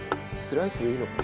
スライスでいいのか。